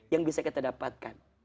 yang bisa kita dapatkan